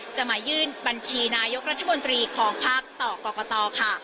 จะมายื่นบัญชีนายกรัฐมนตรีของพักต่อกรกตค่ะ